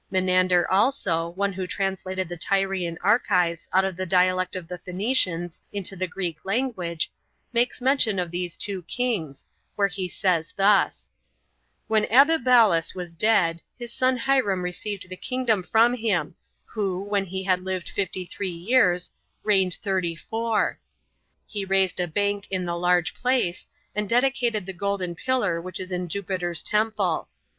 Menander also, one who translated the Tyrian archives out of the dialect of the Phoenicians into the Greek language, makes mention of these two kings, where he says thus: "When Abibalus was dead, his son Hiram received the kingdom from him, who, when he had lived fifty three years, reigned thirty four. He raised a bank in the large place, and dedicated the golden pillar which is in Jupiter's temple.